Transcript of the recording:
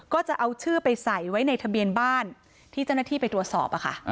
ก็จะเอาชื่อไปใส่ไว้ในทะเบียนบ้านที่เจ้าหน้าที่ไปตรวจสอบ